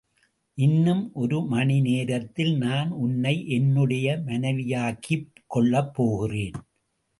இன்னும் ஒரு மணிநேரத்தில் நான் உன்னை என்னுடைய மனைவியாக்கிக் கொள்ளப்போகிறேன்.